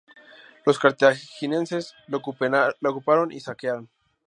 Los cartagineses la ocuparon y saquearon.